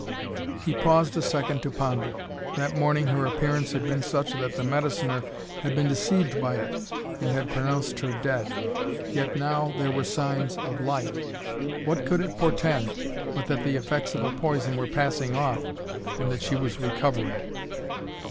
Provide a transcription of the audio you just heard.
He paused a second to ponder. That morning her appearance had been such that the mediciner had been deceived by it and had pronounced her dead. Yet now there were signs of life! What could it portend, but that the effects of a poison were passing off and that she was recovering?